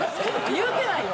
言うてないよ。